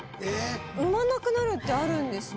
産まなくなるってあるんですね。